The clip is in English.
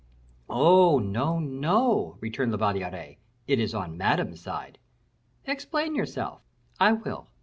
"Oh! no, no," returned La Valliere; "it is on Madame's side." "Explain yourself." "I will.